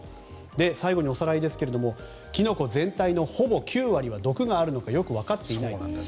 最後におさらいですがキノコ全体のほぼ９割は毒があるのかよくわかっていない。